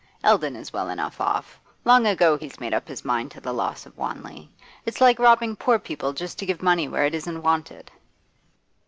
Eldon is well enough off; long ago he's made up his mind to the loss of Wanley. It's like robbing poor people just to give money where it isn't wanted.